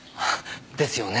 ですよね。